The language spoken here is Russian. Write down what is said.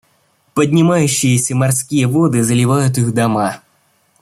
Поднимающиеся морские воды заливают их дома.